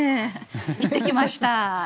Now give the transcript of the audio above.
行ってきました。